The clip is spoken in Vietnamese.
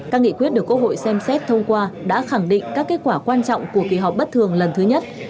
các nghị quyết được quốc hội xem xét thông qua đã khẳng định các kết quả quan trọng của kỳ họp bất thường lần thứ nhất